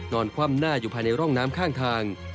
คว่ำหน้าอยู่ภายในร่องน้ำข้างทาง